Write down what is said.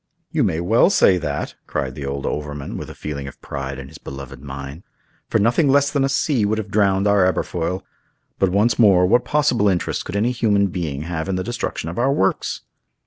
"You may well say that," cried the old overman, with a feeling of pride in his beloved mine; "for nothing less than a sea would have drowned our Aberfoyle. But, once more, what possible interest could any human being have in the destruction of our works?"